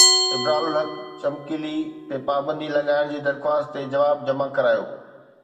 ابرارالحق چمڪلي تي پابندي لڳائڻ جي درخواست تي جواب جمع ڪرايو